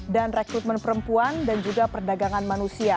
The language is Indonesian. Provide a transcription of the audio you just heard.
dan rekrutmen perempuan dan juga perdagangan manusia